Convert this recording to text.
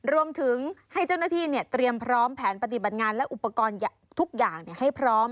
รวมถึงให้เจ้าหน้าที่เตรียมพร้อมแผนปฏิบัติงานและอุปกรณ์ทุกอย่างให้พร้อม